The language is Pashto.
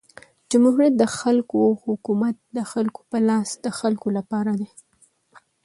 جمهوریت د خلکو حکومت د خلکو په لاس د خلکو له پاره دئ.